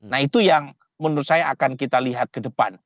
nah itu yang menurut saya akan kita lihat ke depan